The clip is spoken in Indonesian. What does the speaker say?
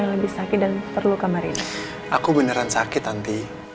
sampai segitunya arman yang dicinta dari tanti